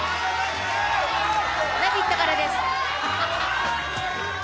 「ラヴィット！」からです。